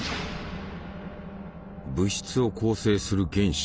物質を構成する原子。